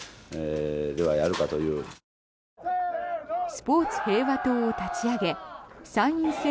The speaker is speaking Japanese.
スポーツ平和党を立ち上げ参院選